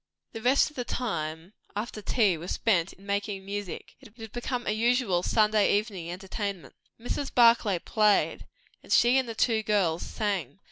The rest of the time, after tea, was spent in making music. It had become a usual Sunday evening entertainment. Mrs. Barclay played, and she and the two girls sang.